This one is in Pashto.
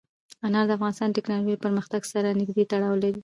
انار د افغانستان د تکنالوژۍ له پرمختګ سره نږدې تړاو لري.